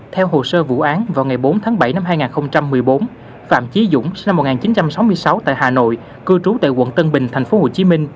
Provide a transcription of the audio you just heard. theo hồ sơ vụ án vào ngày bốn tháng bảy năm hai nghìn một mươi bốn phạm chí dũng sinh năm một nghìn chín trăm sáu mươi sáu tại hà nội cư trú tại quận tân bình tp hcm